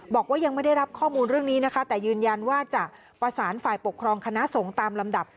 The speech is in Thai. บอกว่ายังไม่ได้รับข้อมูลเรื่องนี้นะคะแต่ยืนยันว่าจะประสานฝ่ายปกครองคณะสงฆ์ตามลำดับ